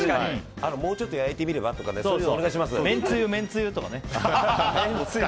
もうちょっと焼いてみるのは？とかめんつゆ！とかね。